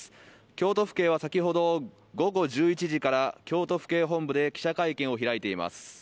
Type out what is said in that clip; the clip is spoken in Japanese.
京都府警は先ほど午後１１時から、京都府警本部で記者会見を開いています。